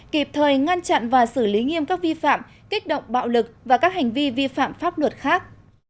kịp thời ngăn chặn và xử lý nghiêm các vi phạm kích động bạo lực và các hành vi vi phạm pháp luật khác